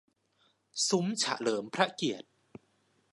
ซุ้มเฉลิมพระเกียรติ